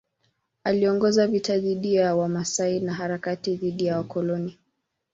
Aliongoza vita dhidi ya Wamasai na harakati dhidi ya wakoloni.